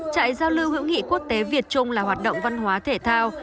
trại giao lưu hữu nghị quốc tế việt trung là hoạt động văn hóa thể thao